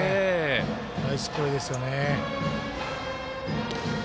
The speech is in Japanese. ナイスプレーですよね。